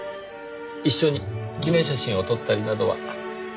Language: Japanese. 一緒に記念写真を撮ったりなどは？